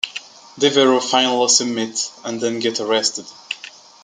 Devereaux finally submits and then gets arrested.